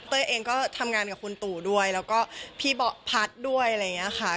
เองก็ทำงานกับคุณตู่ด้วยแล้วก็พี่เบาะพัดด้วยอะไรอย่างนี้ค่ะ